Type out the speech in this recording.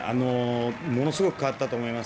ものすごく変わったと思います。